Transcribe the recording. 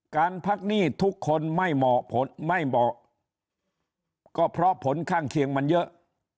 การพักหนี้ทุกคนไม่เหมาะผลไม่เหมาะก็เพราะผลข้างเคียงมันเยอะ